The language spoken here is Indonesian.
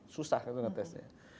susah kan untuk testnya